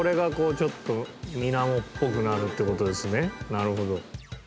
なるほど。